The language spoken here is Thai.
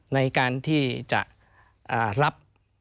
ในการที่จะรับ